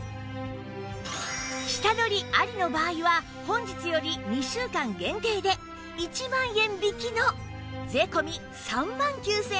下取りありの場合は本日より２週間限定で１万円引きの税込３万９８００円